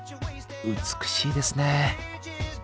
美しいですね。